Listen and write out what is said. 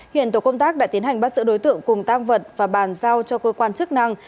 hiện tổ công tác đã tiến hành bắt giữ đối tượng cùng tam vật và bàn giao cho cơ quan chức năng